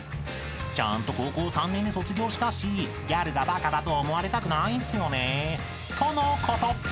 ［「ちゃんと高校を３年で卒業したしギャルがバカだと思われたくないんすよね」とのこと］